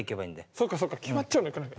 そうかそうか決まっちゃうのがよくない。